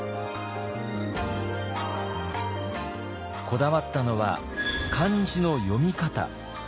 こだわったのは漢字の読み方。